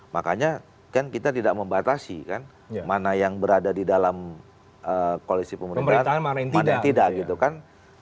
makanya kan kita tidak membatasi kan mana yang berada di dalam koalisi pemerintahan mana yang tidak gitu kan